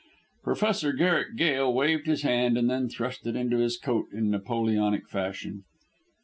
Professor Garrick Gail waved his hand and then thrust it into his coat in Napoleonic fashion.